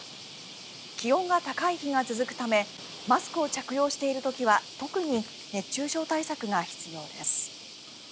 気温が高い日が続くためマスクを着用している時は特に熱中症対策が必要です。